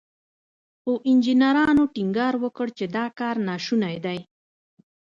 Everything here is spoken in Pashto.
خو انجنيرانو ټينګار وکړ چې دا کار ناشونی دی.